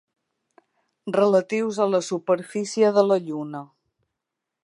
Relatius a la superfície de la lluna.